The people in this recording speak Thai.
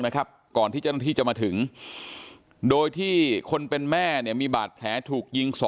นะครับก่อนที่จะที่จะมาถึงโดยที่คนเป็นแม่มีบาดแผลถูกยิง